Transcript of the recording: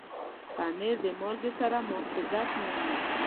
پنېر د مالګې سره محافظت مومي.